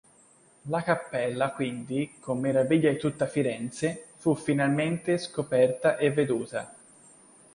La cappella quindi, "con meraviglia di tutta Firenze", fu finalmente "scoperta e veduta".